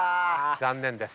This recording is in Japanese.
残念です。